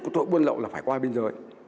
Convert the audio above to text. của tội buôn lậu là phải qua biên giới